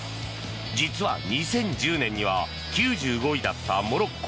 実は２０１０年には９５位だったモロッコ。